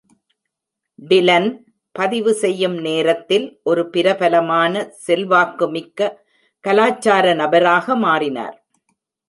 டிலன், பதிவு செய்யும் நேரத்தில், ஒரு பிரபலமான, செல்வாக்குமிக்க கலாச்சார நபராக மாறினார்.